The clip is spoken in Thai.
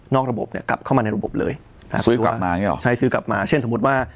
ระบบเนี่ยกลับเข้ามาในระบบเลยอ่าซื้อกลับมาอย่างนี้หรอใช่ซื้อกลับมาเช่นสมมุติว่า